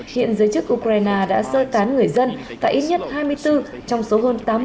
hiện giới chức ukraine đã sơ tán người dân tại ít nhất hai mươi bốn trong số hơn tám mươi khu dân cư